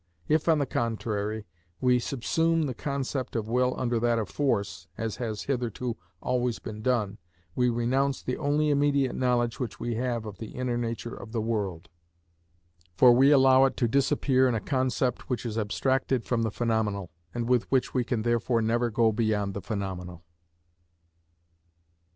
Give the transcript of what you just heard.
If, on the contrary, we subsume the concept of will under that of force, as has hitherto always been done, we renounce the only immediate knowledge which we have of the inner nature of the world, for we allow it to disappear in a concept which is abstracted from the phenomenal, and with which we can therefore never go beyond the phenomenal.